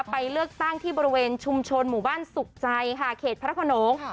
ไปเลือกตั้งที่บริเวณชุมชนหมู่บ้านสุขใจค่ะเขตพระขนง